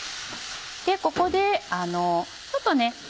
ここでちょっとね